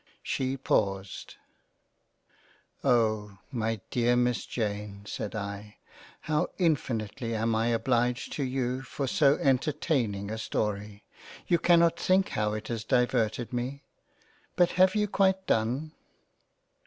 She paused — M Oh ! my dear Miss Jane (said I) how infinitely am I obliged to you for so entertaining a story ! You cannot think how it has diverted me ! But have you quite done